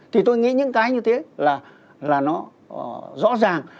thì tôi nghĩ những cái như thế là nó rõ ràng